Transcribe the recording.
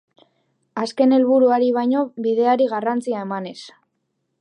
Azken helburuari baino bideari garrantzia emanez.